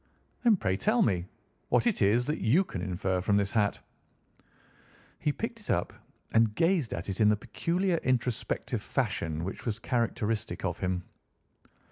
"Then, pray tell me what it is that you can infer from this hat?" He picked it up and gazed at it in the peculiar introspective fashion which was characteristic of him.